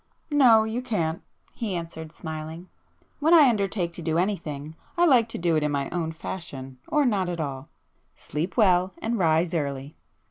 "No, you can't,"—he answered smiling. "When I undertake to do anything I like to do it in my own fashion, or not at all. Sleep well, and rise early."